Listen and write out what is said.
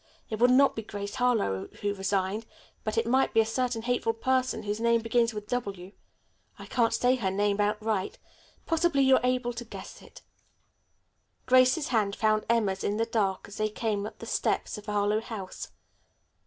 It would not be Grace Harlowe who resigned; but it might be a certain hateful person whose name begins with W. I won't say her name outright. Possibly you'll be able to guess it." Grace's hand found Emma's in the dark as they came to the steps of Harlowe House.